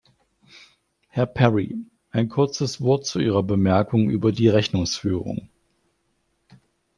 Herr Perry, ein kurzes Wort zu Ihrer Bemerkung über die Rechnungsführung.